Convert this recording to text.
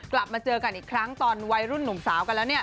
กลับมาเจอกันอีกครั้งตอนวัยรุ่นหนุ่มสาวกันแล้วเนี่ย